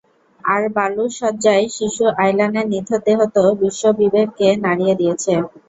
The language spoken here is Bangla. আর বালুর শয্যায় শিশু আয়লানের নিথর দেহ তো বিশ্ববিবেককে নাড়িয়ে দিয়েছে।